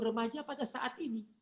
remaja pada saat ini